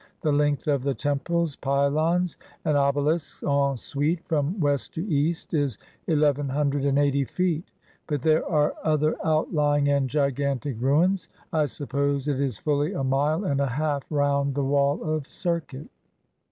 The length of the temples, pylons, and obelisks, en suite from west to east, is eleven hundred and eighty feet ; but there are other outlying and gigantic ruins ; I suppose it is fully a mile and a half round the wall of circuit.